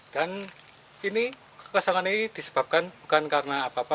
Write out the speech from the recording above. dan ini kekeselan ini disebabkan bukan karena apa apa